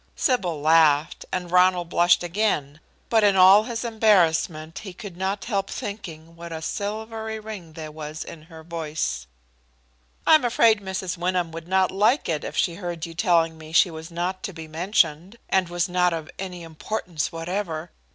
Sybil laughed, and Ronald blushed again, but in all his embarrassment lie could not help thinking what a silvery ring there was in her voice. "I am afraid Mrs. Wyndham would not like it, if she heard you telling me she was not to be mentioned, and was not of any importance whatever.